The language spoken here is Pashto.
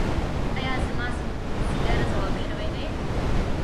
ایا زما ځیګر خراب شوی دی؟